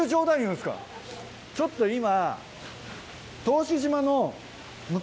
ちょっと今。